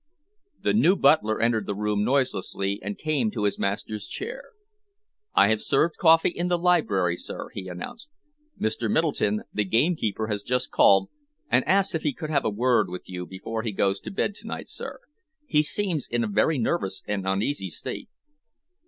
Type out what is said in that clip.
The new butler entered the room noiselessly and came to his master's chair. "I have served coffee in the library, sir," he announced. "Mr. Middleton, the gamekeeper, has just called, and asks if he could have a word with you before he goes to bed to night, sir. He seems in a very nervous and uneasy state."